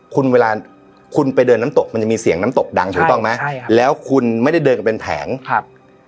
คุณเวลาคุณไปเดินน้ำตกมันจะมีเสียงน้ำตกดังถูกต้องไหมใช่ครับแล้วคุณไม่ได้เดินกันเป็นแผงครับ